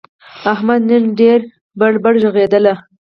احمد نن ډېر بړ بړ ږغېدل.